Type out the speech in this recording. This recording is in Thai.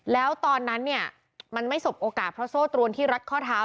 แล้วตอนนั้นเนี่ยมันไม่สบโอกาสเพราะโซ่ตรวนที่รัดข้อเท้า